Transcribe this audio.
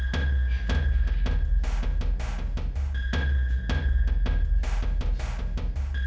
ketangkap kamu tarzan